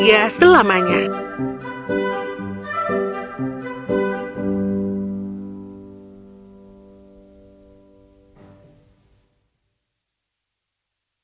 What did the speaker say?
dia belajar menerima kebenaran